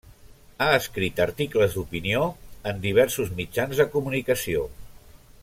Ha escrit articles d'opinió en diversos mitjans de comunicació.